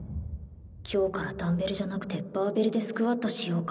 今日からダンベルじゃなくてバーベルでスクワットしようか